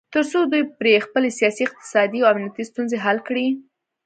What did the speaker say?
تر څو دوی پرې خپلې سیاسي، اقتصادي او امنیتي ستونځې حل کړي